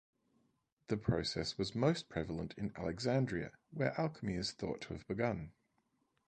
The process was most prevalent in Alexandria, where alchemy is thought to have begun.